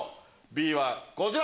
Ｂはこちら！